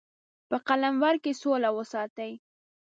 په قلمرو کې سوله وساتي.